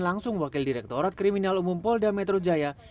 langsung wakil direkturat kriminal umum polda metro jaya